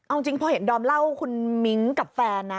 เอาจริงพอเห็นดอมเล่าคุณมิ้งกับแฟนนะ